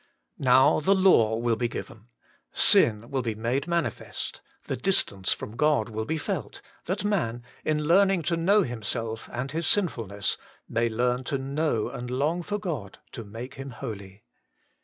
Now the law will be given, sin will be made manifest, the dis tance from God will be felt, that man, in learning to know himself and his sinfulness, may learn to know and long for God to make him holy.